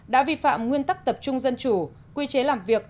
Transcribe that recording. đã vi phạm nguyên tắc tập trung dân chủ quy chế làm việc